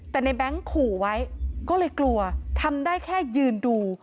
แต่ในแบงค์ขู่ไว้ก็เลยกลัวทำได้แค่ยืนดู